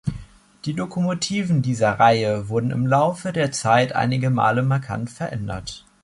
Die Lokomotiven dieser Reihe wurden im Laufe der Zeit einige Male markant verändert.